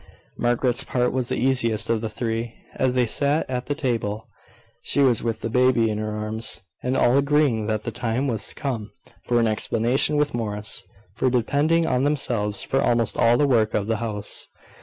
Margaret's part was the easiest of the three, as they sat at the table she with the baby in her arms, and all agreeing that the time was come for an explanation with Morris for depending on themselves for almost all the work of the house.